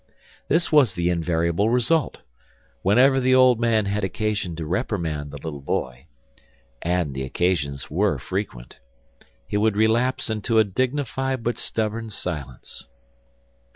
This was the invariable result. Whenever the old man had occasion to reprimand the little boy and the occasions were frequent he would relapse into a dignified but stubborn silence.